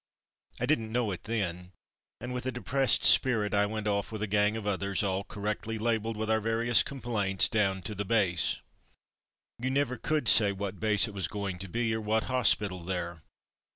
I didn't know it then, and with a depressed spirit I went off with a gang of others, all correctly labelled with our various complaints, down to the base. You never could say what base it was going to be, or what hospital there.